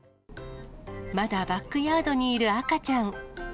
まだバックヤードにいる赤ちゃん。